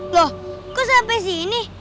loh kok sampai sini